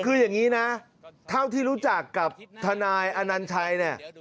คืออย่างนี้นะเท่าที่รู้จักกับทนายอนัญชัยเนี่ย